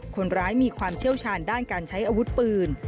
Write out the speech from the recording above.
คนร้ายมีความเชี่ยวชาญด้านการใช้อาวุธปืน